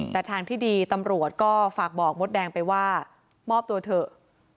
แต่ทางที่ดีตำรวจก็ฝากบอกมดแดงไปว่ามอบตัวเถอะ